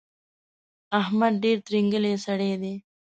احمد ډېر ترینګلی سړی دی.